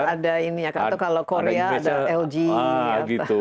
ada ini ya atau kalau korea ada lg